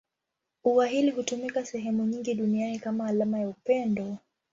Ua hili hutumika sehemu nyingi duniani kama alama ya upendo.